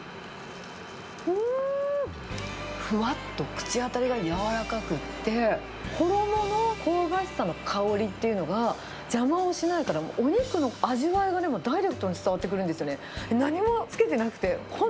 うーん、ふわっと口当たりが柔らかくって、衣の香ばしさの香りっていうのが邪魔をしないから、お肉の味わいが、でもダイレクトに伝わってくるんですよね。